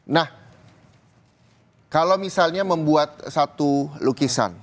nah kalau misalnya membuat satu lukisan